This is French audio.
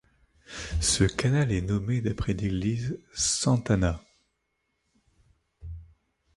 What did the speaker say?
Ce canal est nommé d'après l'église Sant'Anna.